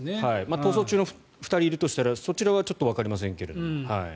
逃走中の２人いるとしたらそちらはちょっとわかりませんけど。